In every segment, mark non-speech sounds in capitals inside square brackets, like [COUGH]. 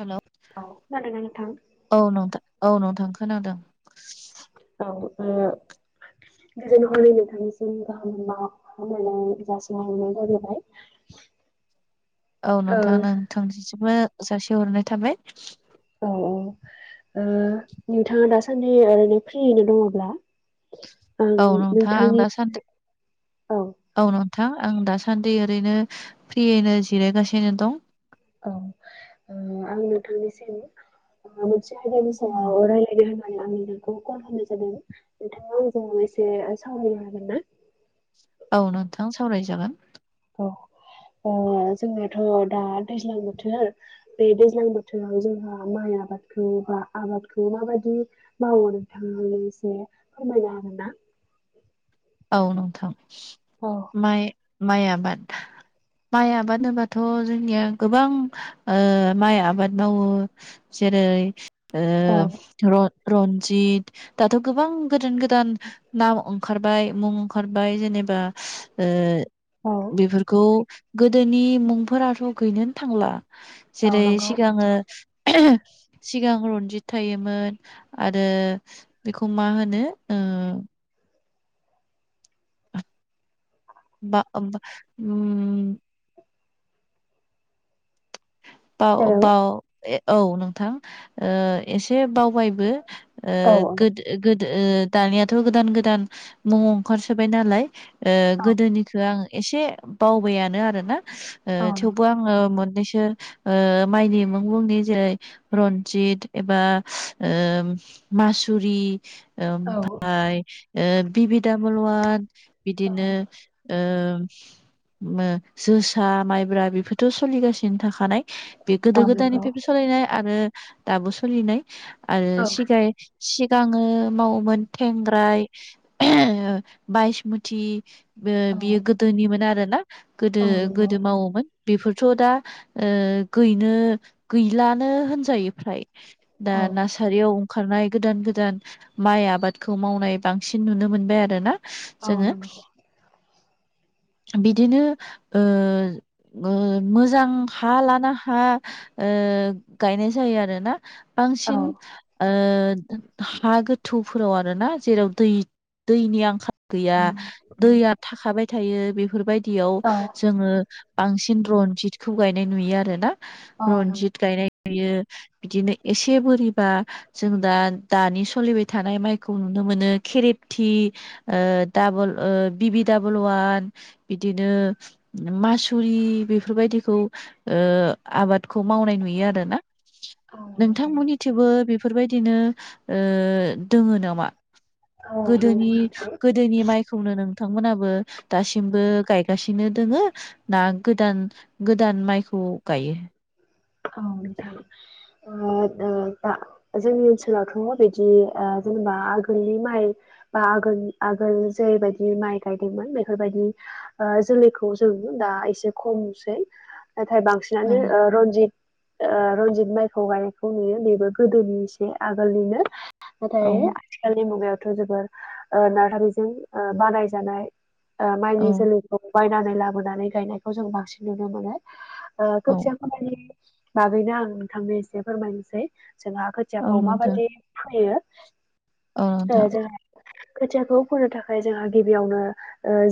हेल' औ खोनादों औ नंथां औ नंथां खोनादों औ उम गोजोन हरनि नोंथांसिम गाहाम हामालायनाय जासिहरनाय जाबाय [UNINTELLIGIBLE] औ नोंथां नोंथांनिसिमबो जासिहरनाय थाबाय औ औ ओ नोंथाङा दासान्दि ओरैनो फ्रियैनो दङब्ला। आं औ नोंथां आं नोंथांनि दासान्दै औ नं थां आं दासान्दि ओरैनो फ्रियैनो जिरायगासिनो दं औ ओ आं नोंथांनिसिम [UNINTELLIGIBLE] आंनि नोंखौ कल होनाय जादों नोंथाङा आंजों एसे सावरायनो हागोन ना? औ नोंथां सावरायजागोन औ। जोंनाथ' दा दैज्लां बोथोर बे दैज्लां बोथोराव जोंहा माइआ आबादखौ बा आबादखौ माबायदि मावो नोंथाङा आंनो एसे फोरमायनो हागोन ना। [UNINTELLIGIBLE] औ नोंथां औ माइ माइ आबाद माइ आबाद होनोबाथ' जोंनिया गोबां ओ माइ आबाद मावो। जेरै ओ औ रन रनजित दाथ' गोबां गोदान गोदान नाम ओंखार बाय मुं ओंखारबाय जेनेबा औ बेफोरखौ गोदोनि मुंफोराथ' गैनोन थांला औ जेरै नंगौ सिगाङो सिगां रनजित थायोमोन आरो बेखौ मा होनो ओ बा उममम बाव हेलौ बाव औ नोंथां एसे बावबायबो ओ औ गोदो गोदो दानियाथ' गोदान गोदान मुं ओंखारसोबाय नालाय ओ औ गोदोनिखौ आं एसे बावबायानो आरो ना औ नंगौ थेवबो आङो मोननैसो ओ माइनि मुं मुंनि जेरै रन्जित एबा मास सुरि औ ओमफाय ओ बिबि दाबुल वान औ बिदिनो ओ मो जोसा माइब्रा बेफोरथ' सोलिगासिनो थाखानाय बे गोदो औ नंगौ गोदायनिफ्रायबो सलिायनाय आरो दाबो सोलिनाय आरो औ सिगाय सिगाङो मावोमोन थेंग्राय बायसमुथि बे बियो गोदोनिमोन आरो ना गोदो औ नंगौ गोदो मावोमोन। बेफोरथ' दा गैनो गैलानो होनजायो फ्राय दा औ नासारियाव खारनाय गोदान गोदान माइ आबादखौ मावनाय बांसिन नुनो मोनबाय आरो ना। औ नोंगौ। बिदिनो ओ ओ मोजां हा लाना हा। हा ओ गायनाय जायो आरोना औ बांसिन। ओ हा गोथौफोराव आरो ना जेराव दै दैनि आंखाल गैया दैया थाखाबाय थायो बेफोरबायदि थियाव जोङो बांसिन रनजितखौ गायनाय नुयो आरो ना औ नंगौ औ नंगौ रन्जित गायनाय बियो बिदिनो एसे बोरिबा जों दा दानि सोलिबाय थानाय माइखौ नुनो। मोनो खेरेथि ओ दाबल बिबिदाबल वान बिदिनो मासुरि बेफोरबायदिखौ ओ आबादखौ मावनाय नुयो आरोना औ नोंथांमोननिथिंबो बे बेफोरबायदिनो दोङो नामा। नंगौ गोदोनि नोंथां गोदोनि माइखौनो नोंथांमोनाबो दासिमबो गायगासिनो दोङो ना गोदान गोदान माइखौ गायो। औ नोंथां दा जोंनि ओनसोलावथ' बिदि जेनेबा आगोलनि माइ बा आगोल आगोल जेरैबायदि माइ गायदोंमोन बेफोरबायदि जोलैखौ जों दा एसे खमसै नाथाय औ बांसिनानो रनजित रनजित माइखौ गायनायखौ नुयो बेबो गोदोनि एसे आगोलनिनो औ नाथाय आथिखालनि मुगायावथ' जोबोर नार्सारिजों बानायजानाय औ माइनि जोलैखौ बायनानै लाबोनानै गायनायखौ जों बांसिन नुनो मोनो। औ खोथिया फोनायनि बागैनो आं नोंथांनो एसे फोरमायनोसै। जोंहा औ खोथियाखौ नोंथां माबादि फोयो। औ ओ नोंथां। जोंहा खोथियाखौ फोनो थाखाय जोंहा गिबियावनो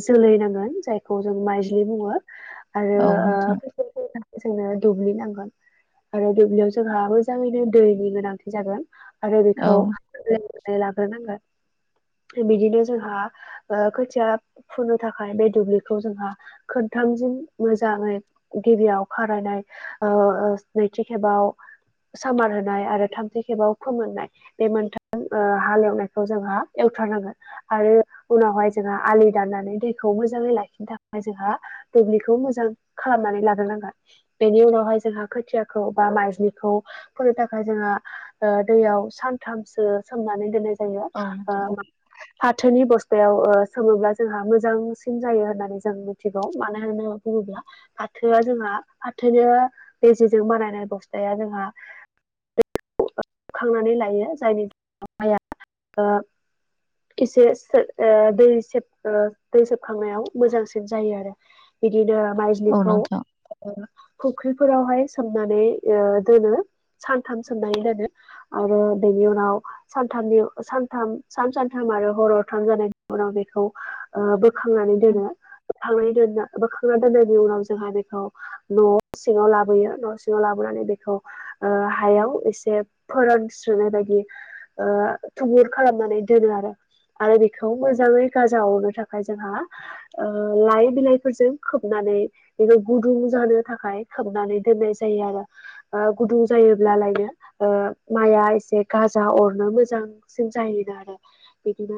जोलै नांगोन जायखौ जों माइज्लि बुङो। आरो औ नोंथां फोनो थाखाय जोंनो दुब्लि नांगौ। आरो दुब्लियाव जोंहा मोजाङैनो दैनि गोनांथि जागोन। आरो औ बेखौ एवनानै लाग्रोनांगोन। बिदिनो जोंहा खोथिया फोनो थाखाय बे दुब्लिखौ जोंहा खोनथामजों मोजाङै गिबियाव खारायनाय नैथि खेबाव सामार होनाय आरो थामथि खेबाव फोमोननाय बे मोनथाम हालेवनायखौ जोंहा एवथारनांगोन आरो उनावहाय जोंहा आलि दाननानै दैखौ मोजाङै लाखिनो थाखाय जोंहा दुब्लिखौ मोजां खालामनानै लाग्रोनांगोन बेनि उनावहाय जोंहा खोथियाखौ बा माइज्लिखौ फोनो थाखाय जोंहा दैयाव सानथामसो सोमनानै दोननाय जायो औ नोंथां फाथोनि बस्ता बेयाव सोमोब्ला जोंहा मोजांसिन जायो होननानै जों मिथिगौ मानो होननानै बुङोब्ला फाथोआ जोंहा फाथोनि बेेजेजों बानायनाय बस्थाया जोंहा दैखौ बोखांनानै लायो जायनि जाउनाव माइया एसे दै दै सोबखांनायाव मोजांसिन जायो आरो बिदिनो औ माइज्लिखौ नोंथां फुख्रिफोरावहाय सोमनानै दोनो सानथाम सोमनानै दोनो आरो बेनि उनाव सानथामनि सानथाम सान सानथाम आरो हर हरथाम जानाय उनाव उनाव बेखौ बोखांनानै दोनो बोखांना दोननायनि उनाव जोंहा बेखौ न' सिङाव लाबोयो न' सिङाव लाबोनानै बेखौ हायाव एसे फोरानस्रोनाय बायदि थुबुर खालामनानै दोनो आरो। आरो बेखौ मोजाङै गाजा अरनो थाखाय जोंहा लाइ बिलाइफोरजों खोबनानै गुुदुं जानो थाखाय खोबनानै दोननाय जायो आरो गुदुं जायो। माइआ एसे गाजा अरनो मोजांसिन जायोनो आरो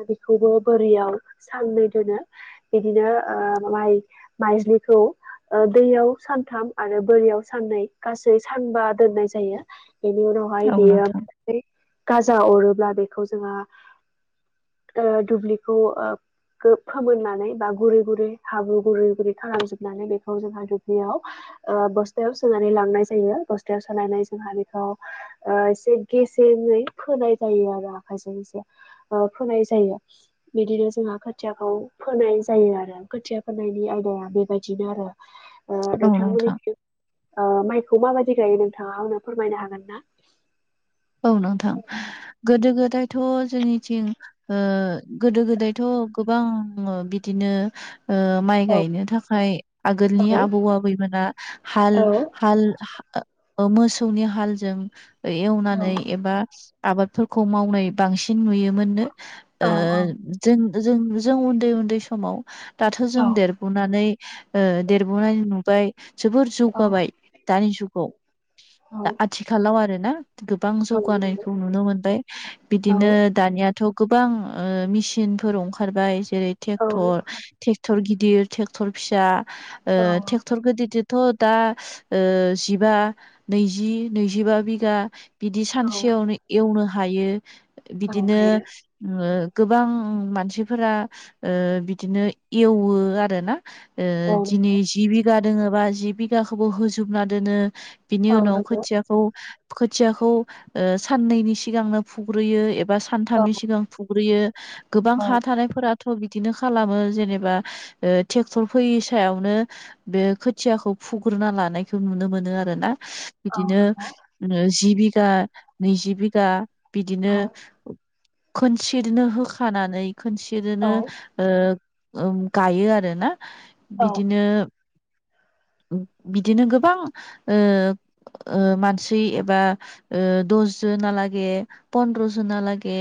बेखौबो बोरियाव साननै दोनो बिदिनो माइ माइज्लिखौ दैयाव सानथाम आरो बोरियाव साननै गासै सानबा दोननाय जायो बेनि उनावहाय औ बेयो नोंथां गाजा अरोब्ला बेखौ जोङो दुब्लिखौ फोमोननानै बा गुरै गुरै हाब्रु गुरै गुरै खालामजोबनानै बेखौ जोंहा दुब्लियाव बस्थायाव सोनानै लांनाय जायो बस्थायाव सोनानै जोंहा बेखौ एसे गेसेङै फोनाय जायो आरो आखायजों एसे फोनाय जायो बिदिनो जोंहा खोथियाखौ फोनाय जायो आरो खोथिया फोनायनि आयदाया बेबायदिनो आरो औ नोंथां नोंथांमोननिथिं माइखौ माबायदि गायो नोंथाङा आंनो फोरमायनो हागोन ना औ नोंथां गोदो गोदायथ' जोंनिथिं गोदो गोदायथ' गोबां बिदिनो माइ औ गायनो थाखाय औ आगोलनि आबौ आबैमोना हाल औ हाल मोसौनि हालजों एवनानै एबा आबादफोरखौ मावनाय बांसिन नुयोमोननो औ जों जों जों उन्दै उन्दै समाव दाथ' औ जों देरबोनानै देरबोननानै नुबाय जोबोर जौगाबाय दानि जुगाव दा आथिखालाव आरोना। गोबां औ जौगानायखौ नुनो मोनबाय औ बिदिनो दानियाथ'। गोबां ओ मेसिनफोर ओंखारबाय जेरै औ ट्रेक्टर ट्रेक्टर गिदिर ट्रेक्टर फिसा ओ औ ट्रेक्टर गिदिरददिर थ' दा ओ जिबा नैजि नैजिबा बिघा बिदि औ सानसेयावनो एवनो हायो औ बिदिनो हायो गोबां मानसिफोरा ओ बिदिनो एवो आरोना ओ औ दिनै जि बिघा दोङोबा जि बिघाखौबो होजोबना दोनो। बिनि औ उनाव नंगौ खोथियाखौ खोथियाखौ ओ साननैनि सिगांनो फुग्रोयो एब बा औ सानथामनि सिगां फुग्रोयो गोबां औ हा थानायफोरा थ' बिदिनो खालामो जेनेबा ओ ट्रेक्टर फैयि सायावनो बे खोथियाखौ फुग्रोना लानायखौ नुनो मोनो। मोनो आरोना औ बिदिनो नंगौ जि बिघा नैजि बिघा बिदिनो औ खोनसेनो होखानानै खोनसेनो ओम गायो आरोना औ बिदिनो बिदिनो गोबां ओ मानसि एबा ओ दस जोना लागे पन्द्र जना लागे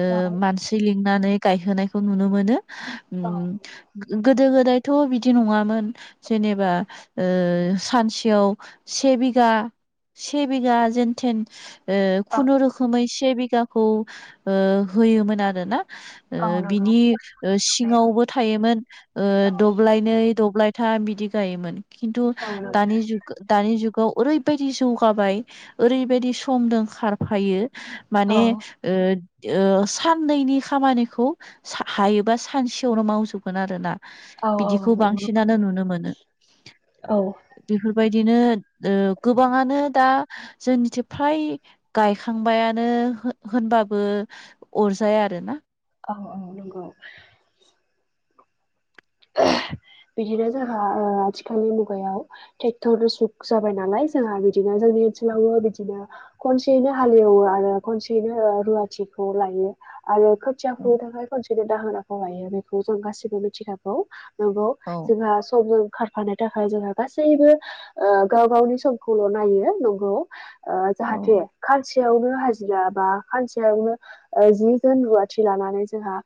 ओ मानसि लिंनानै गायोनायखौ नुनो मोनो उम। गोदो गोदायथ' बिदि नङामोन जेनेबा ओ सानसेयाव से बिघा से बिघा जेनथेन ओ औ खुनुरुखोमै से बिगाखौ ओ होयोमोन आरो ना। औ ओ नंगौ बिनि ओ सिङावबो थायोमोन ओ औ दब्लायनै दब्लाय थाम बिदि गायोमोन खिन्थु औ नंगौ दानि दानि जुग दानि जुगाव ओरैबायदि जौगाबाय ओरैबायदि समजों खारफायो माने औ औ ओ ओ साननैनि खामानिखौ हायोबा सानसेयावनो मावजोबगोन आरोना। औ बिदिखौ बांसिनानो नुनो मोनो औ बेफोर बेबायदिनो गोबाङानो ओ दा जोंनिथिं फ्राय गायखांबायानो होन होनबाबो अरजाया आरोना। औ औ नंगौ। [UNINTELLIGIBLE] बिदिनो जोंहा ओ आथिखालनि मुगायाव ट्रेक्टर जुग जाबाय नालाय जोंहा बिदिनो जोंनि ओनसोलावबो बिदिनो खनसेयैनो हालेवो आरो खनसेयैनो रुवाथिखौ लायो। आरो खोथिया फुनो थाखाय खनसेनि दाहोनाखौ लायो बेखौ जों गासिबो मिथिखागौ। नंगौ औ जोंहा समजों खारफानो थाखाय जोंहा गासैबो ओ गाव गावनि समखौल' नायो नंगौ‌। ओ औ जाहाथे खाज सानसेयावनो हाजिरा बा सानसेयावनो जि जोन रुवाथि लानानै जोंहा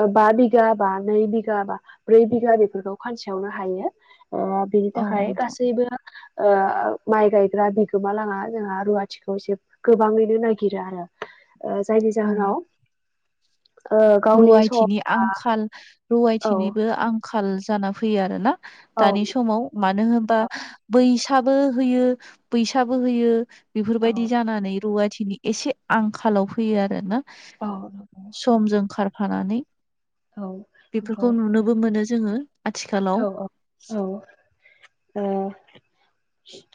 ओ बा बिगा बा नै बिगा बा ब्रै बिघा बेफोरखौ खानसेयावनो हायो। बिनि औ थाखाय नोंथां गासैबो माइ गायग्रा बिगोमा लाङा जोंहा रुवाथिखौ एसे गोबाङैनो नागिरो आरो। जायनि जाहोनाव ओ गावनि सम रुवाथिनि आंखाल औ रुवायथिनिबो आंखाल जाना फैयो आरो ना। औ दानि समाव मानो होनबा बै फिसाबो होयो बैसाबो होयो औ बेफोरबायदि जानानै रुवाथि नि एसे आंखालाव फैयो आरो ना? औ। खारफानानै औ बेफोरखौ नंगौ नुनोबो मोनो जोङो। आथिखालाव औ औ औ ओ।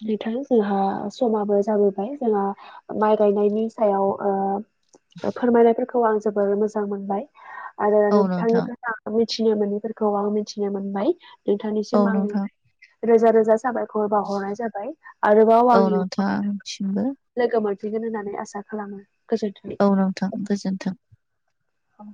नोंथां जोंहा समाबो जाबोबाय जोंहा माइ गायनायनि सायाव फोरमायनाय खौ आं जोबोर मोजां मोनबाय आरो औ नोंथां नोंथांनिफ्राय आं मिथिनो मोनिफोरखौ आं मिथिनो मोन बाय औ नोंथांनिसिम आं नोंथां रोजा रोजा साबाय बावहरनाय जाबाय आरोबाव औ आं इउनाव नोंथां आंनिसिमबो लोगो मोन मोनफिगोन होननानै आसा खालामो। गोजोन्थों औ नोंथां गोजोन्थों। औ।